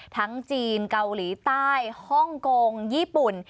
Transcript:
จีนเกาหลีใต้ฮ่องกงญี่ปุ่น